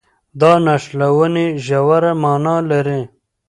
دا نښلونې ژوره مانا لري.